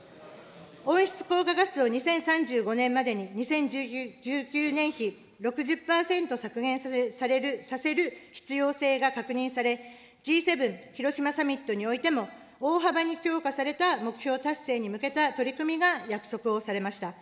温室効果ガスを２０３５年までに、２０１９年比６０％削減させる必要性が確認され、Ｇ７広島サミットにおいても、大幅に強化された目標達成に向けた取り組みが約束をされました。